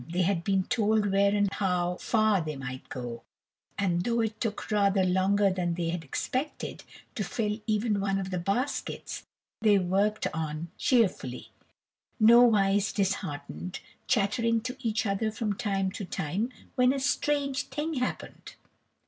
They had been told where and how far they might go, and though it took rather longer than they had expected, to fill even one of the baskets, they worked on cheerfully, nowise disheartened, chattering to each other from time to time, when a strange thing happened.